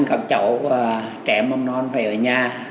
các chỗ trẻ mầm non phải ở nhà